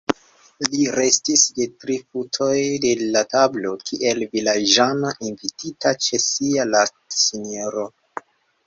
Li restis je tri futoj de la tablo, kiel vilaĝano invitita ĉe sia landsinjoro.